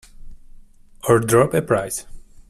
Or drop a prize.